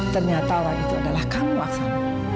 ternyata orang itu adalah kamu maksamu